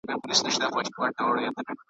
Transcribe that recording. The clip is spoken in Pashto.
څو سيندونه لا بهيږي .